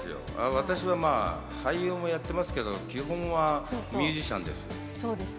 私はまぁ俳優もやってますけど、基本はミュージシャンです。